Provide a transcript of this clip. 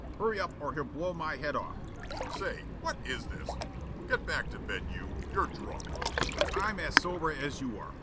Hurry up or he'll blow my head off " Telephone: "Say, what IS this? Get back to bed, you. You're drunk." Smilk: "I'm as sober as you are.